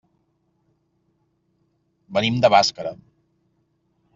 Venim de Bàscara.